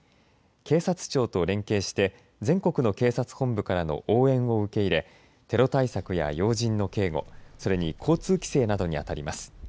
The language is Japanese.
警察庁と連携して全国の警察本部からの応援を受け入れテロ対策や要人の警護、それに交通規制などにあたります。